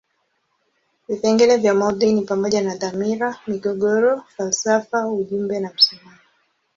Vipengele vya maudhui ni pamoja na dhamira, migogoro, falsafa ujumbe na msimamo.